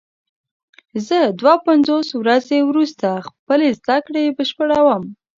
زه دوه پنځوس ورځې وروسته خپلې زده کړې بشپړوم.